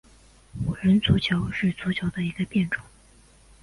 五人足球是足球的一个变种。